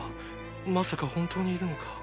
まさか本当にいるのか？